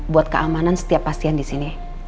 buat keamanan setiap pasien di sini